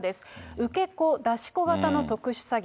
受け子、出し子型の特殊詐欺。